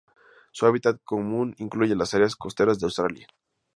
Su hábitat común incluye las áreas costeras de Australia.